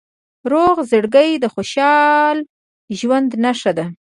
روغ زړګی د خوشحال ژوند نښه ده.